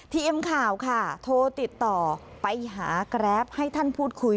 ทีมข่าวค่ะโทรติดต่อไปหาแกรปให้ท่านพูดคุย